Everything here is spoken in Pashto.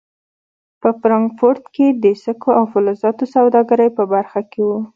په فرانکفورټ کې د سکو او فلزاتو سوداګرۍ په برخه کې و.